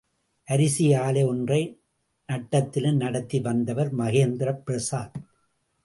அரிசி ஆலை ஒன்றை நட்டத்திலும் நடத்தி வந்தவர் மகேந்திர பிரசாத்.